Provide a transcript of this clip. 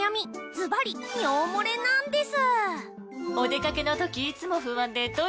ずばり尿もれなンデス！